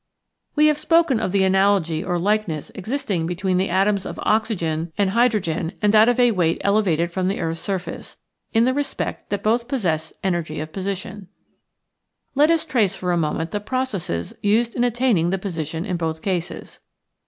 We have spoken of the analogy or likeness existing between the atoms of oxygen and Original from UNIVERSITY OF WISCONSIN 30 nature's Attacles. hydrogen and that of a weight elevated from the earth's surface, in the respect that both possess energy of position. Let us trace for a moment the processes used in attaining the position in both cases.